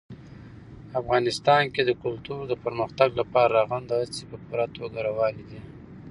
افغانستان کې د کلتور د پرمختګ لپاره رغنده هڅې په پوره توګه روانې دي.